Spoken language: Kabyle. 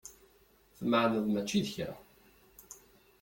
Tmeεneḍ mačči d kra.